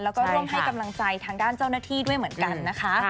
แล้วก็ร่วมให้กำลังใจทางด้านเจ้าหน้าที่ด้วยเหมือนกันนะคะ